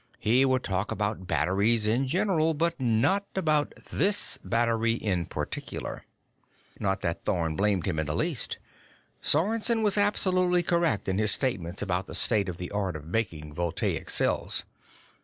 He would talk about batteries in general, but not about this battery in particular. Not that Thorn blamed him in the least. Sorensen was absolutely correct in his statements about the state of the art of making voltaic cells.